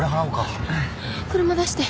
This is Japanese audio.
車出して。